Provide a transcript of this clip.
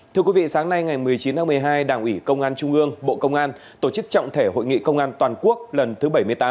thưa quý vị sáng nay ngày một mươi chín tháng một mươi hai đảng ủy công an trung ương bộ công an tổ chức trọng thể hội nghị công an toàn quốc lần thứ bảy mươi tám